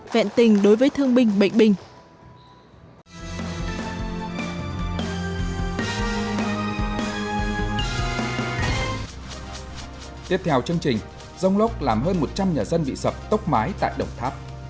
vẹn tình đối với thương binh bệnh binh